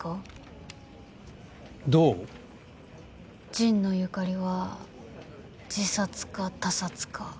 神野由香里は自殺か他殺か。